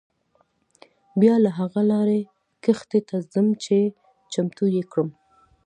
بیا له هغه لارې کښتۍ ته ځم چې چمتو یې کړم.